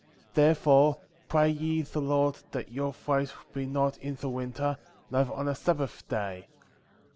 Therefore, pray ye the Lord that your flight be not in the winter, neither on the Sabbath day ; 18.